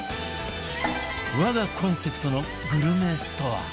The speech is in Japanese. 和がコンセプトのグルメストア